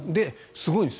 すごいんです。